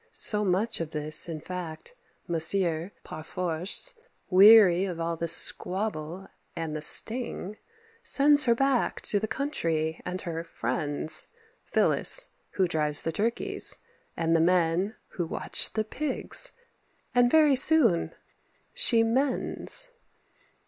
So much of this, in fact. Monsieur, par force, Weary of all this squabble, and the sting, Sends her back to the country and her friends, Phillis, who drives the turkeys, and the men Who watch the pigs, and very soon she mends.